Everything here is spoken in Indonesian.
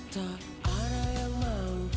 tak ada yang mau